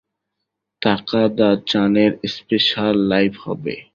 তাকাদা-চানের special live হবে!